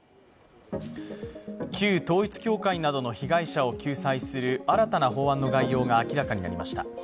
旧統一教会などの被害者を救済する新たな法案の概要が明らかになりました。